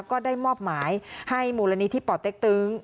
ก็ได้มอบหมายให้หมู่รณีที่ป่อเต๊กตึง